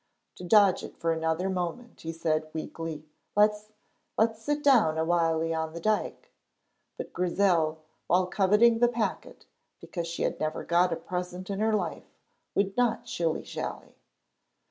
To dodge it for another moment he said, weakly: "Let's let's sit down a whiley on the dyke." But Grizel, while coveting the packet, because she had never got a present in her life, would not shilly shally.